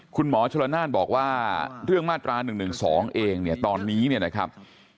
คุณหมอชลนาญบอกว่าเรื่องมาตรา๑๑๒เองตอนนี้นะครับ